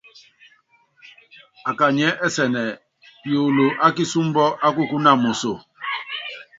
Akanyiɛ́ ɛsɛ́nɛ piolo ákisúmbɔ́ ákukúna moso.